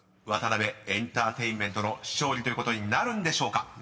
［ワタナベエンターテインメントの勝利ということになるんでしょうか］